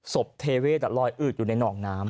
เทเวศลอยอืดอยู่ในหนองน้ำ